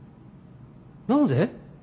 何で？